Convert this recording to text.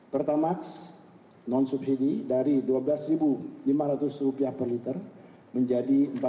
pertama non subsidi dari rp dua belas lima ratus per liter menjadi rp empat belas lima ratus per liter